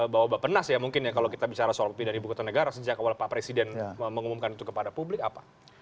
bahwa bapak penas ya mungkin ya kalau kita bicara soal pindahan ibu kota negara sejak awal pak presiden mengumumkan itu kepada publik apa